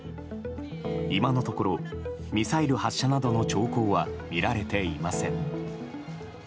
今のところミサイル発射などの兆候は見られていません。